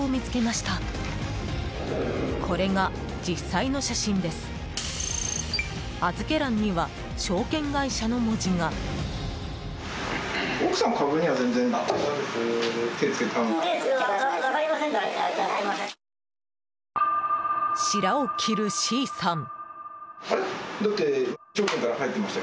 しらを切るＣさん。